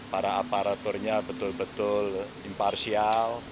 para aparaturnya betul betul imparsial